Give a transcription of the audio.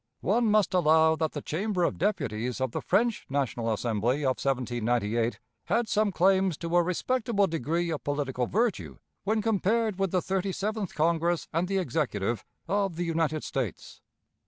One must allow that the Chamber of Deputies of the French National Assembly of 1798 had some claims to a respectable degree of political virtue when compared with the Thirty seventh Congress and the Executive of the United States.